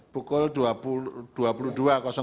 pukul dua puluh dua